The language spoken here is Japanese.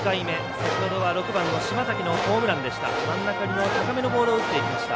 先ほどは６番の島瀧のホームランでした。